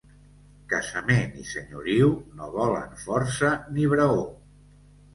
Casament i senyoriu no volen força ni braó.